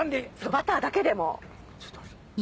バターだけでも。